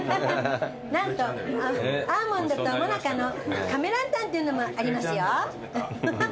何とアーモンドともなかのカメランタンっていうのもありますよ。